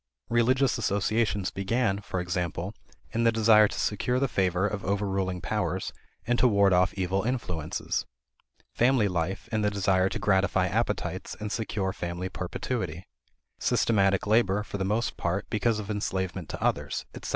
Religious associations began, for example, in the desire to secure the favor of overruling powers and to ward off evil influences; family life in the desire to gratify appetites and secure family perpetuity; systematic labor, for the most part, because of enslavement to others, etc.